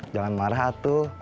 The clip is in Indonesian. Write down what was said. jangan marah atu